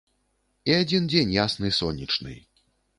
І адзін дзень ясны сонечны.